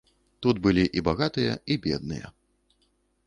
Тут былі і багатыя, і бедныя.